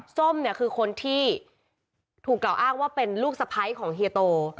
ส้มเนี่ยคือคนที่ถูกกล่าวอ้างว่าเป็นลูกสะพ้ายของเฮียโต